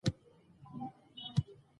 ځنګلونه د افغانستان د شنو سیمو ښکلا ده.